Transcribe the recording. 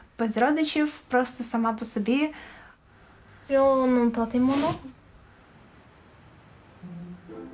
寮の建物。